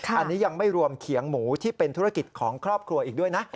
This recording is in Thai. อันนี้ยังไม่รวมเขียงหมูที่เป็นธุรกิจของครอบครัวอีกด้วยนะ